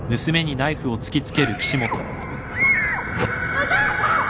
お母さん！